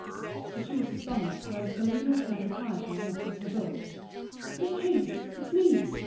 But she was astonished when Pauline returned quietly and knocked at her door. "Make haste, it's me!"